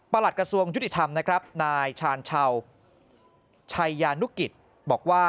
ประหลัดกระทรวงยุติธรรมนายชาญชาวชัยานุกิจบอกว่า